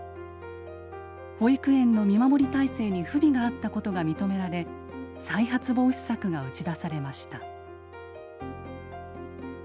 保育園の見守り体制に不備があったことが認められ再発防止策が打ち出されました。